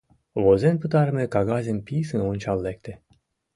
Возен пытарыме кагазым писын ончал лекте.